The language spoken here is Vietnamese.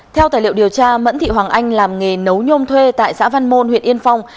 theo tài liệu điều tra mẫn thị hoàng anh làm nghề nấu nhôm thuê tại xã văn môn huyện yên phong